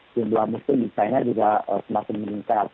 jumlah muslim di china juga semakin meningkat